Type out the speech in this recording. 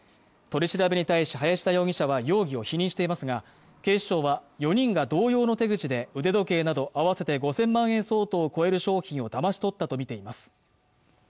取り調べに対し林田容疑者は容疑を否認していますが警視庁は４人が同様の手口で腕時計など合わせて５０００万円相当を超える商品をだまし取ったと見ています